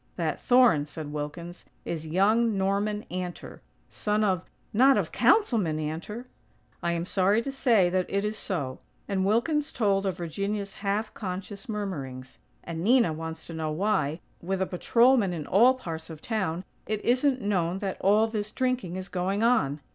"That thorn," said Wilkins, "is young Norman Antor; son of " "Not of Councilman Antor?" "I am sorry to say that it is so," and Wilkins told of Virginia's half conscious murmurings. "And Nina wants to know why, with a patrolman in all parts of town, it isn't known that all this drinking is going on.